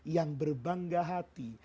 yang berbangga hati